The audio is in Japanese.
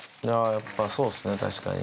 やっぱ、そうっすね、確かに。